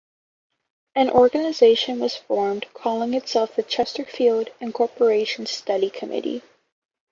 An organization was formed calling itself the Chesterfield Incorporation Study Committee.